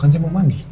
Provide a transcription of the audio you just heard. kan saya mau mandi